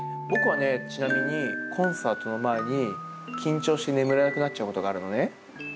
僕はね、ちなみにコンサートの前に、緊張して眠れなくなっちゃうことがあるのね。